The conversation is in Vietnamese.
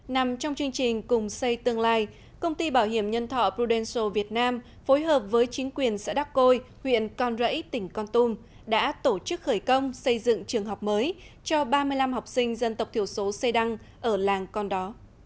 nằm trong chương trình cùng xây tương lai công ty bảo hiểm nhân thọ pudesil việt nam phối hợp với chính quyền xã đắc côi huyện con rẫy tỉnh con tum đã tổ chức khởi công xây dựng trường học mới cho ba mươi năm học sinh dân tộc thiểu số xê đăng ở làng con đó